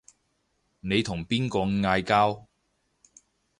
你同邊個嗌交